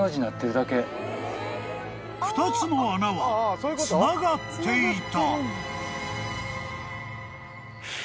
［２つの穴はつながっていた］